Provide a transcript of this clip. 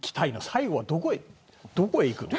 最後は、どこへ行くの。